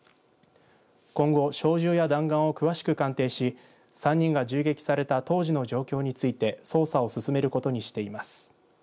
今後、小銃や弾丸を詳しく鑑定し３人が銃撃された当時の状況について捜査を進めることにしています。